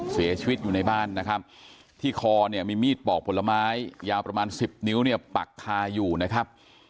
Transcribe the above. เสียชีวิตอยู่ในบ้านนะครับที่คอเนี่ยมีมีดปอกผลไม้ยาวประมาณ๑๐นิ้วเนี่ยปักคาอยู่นะครับ